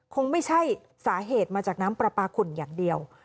คงไม่ใช่สาเหตุมาจากน้ำปลาปลาขุ่นอย่างเดียว